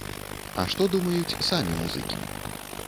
А што думаюць самі музыкі?